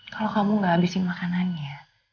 kalau kamu gak habisin makanannya